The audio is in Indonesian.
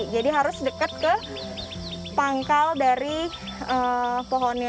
jadi harus dekat ke pangkal dari pohonnya